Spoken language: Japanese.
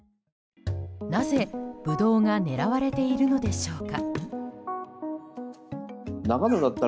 なぜブドウが狙われているのでしょうか。